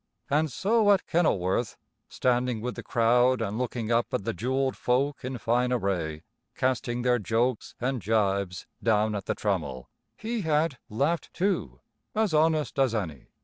And so at Kenilworth, standing with the crowd and looking up at the jeweled folk in fine array casting their jokes and gibes down at the trammel, he had laughed, too, as honest as any.